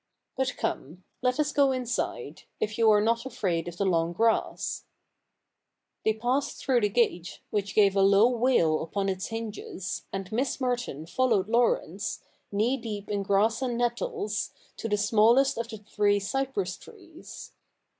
But come — let us go inside, if you are not afraid of the long .grass.' They passed through the gate, which gave a low wail upon its hinges, and Miss Merton followed Laurence, knee deep in grass and nettles, to the smallest of the three cypress trees.